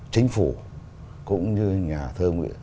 chính phủ cũng như nhà thơ